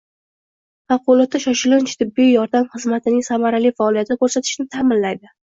Favqulodda shoshilinch tibbiy yordam xizmatining samarali faoliyat ko‘rsatishini taʼminlaydi.